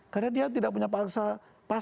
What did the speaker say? karena dia tidak punya pasarnya gitu kan